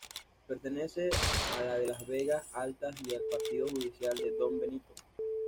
Pertenece a la de las Vegas Altas y al Partido judicial de Don Benito.